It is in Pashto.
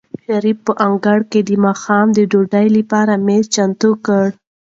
شریف په انګړ کې د ماښام د ډوډۍ لپاره مېز چمتو کړ.